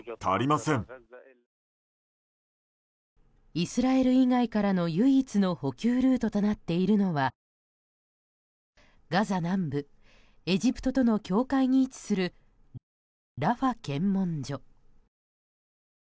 イスラエル以外からの唯一の補給ルートとなっているのはガザ南部、エジプトとの境界に位置するラファ検問所。